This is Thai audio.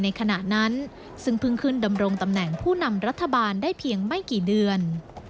ขณะนั้นซึ่งเพิ่งขึ้นดำรงตำแหน่งผู้นำรัฐบาลได้เพียงไม่กี่เดือน